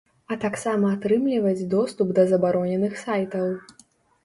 А таксама атрымліваць доступ да забароненых сайтаў.